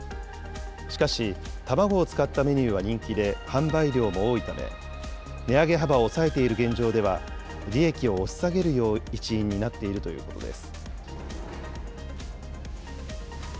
しかし、卵を使ったメニューは人気で、販売量も多いため、値上げ幅を抑えている現状では、利益を押し下げる一因になっているということです。